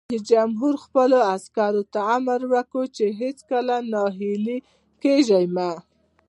رئیس جمهور خپلو عسکرو ته امر وکړ؛ هیڅکله ناهیلي کیږئ مه!